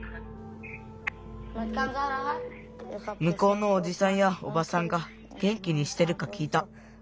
むこうのおじさんやおばさんがげん気にしてるかきいた。